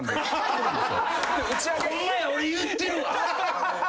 ホンマや俺言ってるわ。